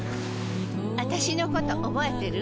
あたしのこと覚えてる？